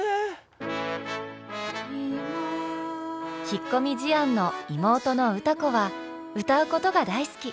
引っ込み思案の妹の歌子は歌うことが大好き。